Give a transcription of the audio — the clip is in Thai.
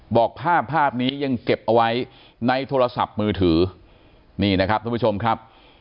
บอกภาพภาพนี้ยังเก็บเอาไว้ในโทรศัพท์มือถือนี่นะครับทุกผู้ชมครับ